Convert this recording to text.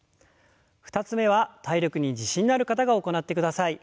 ２つ目は体力に自信がある方が行ってください。